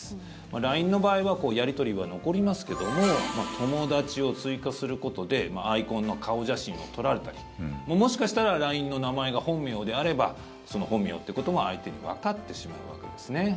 ＬＩＮＥの場合はやり取りは残りますけども友だちを追加することでアイコンの顔写真を撮られたりもしかしたらＬＩＮＥの名前が本名であればその本名ということも相手にわかってしまうわけですね。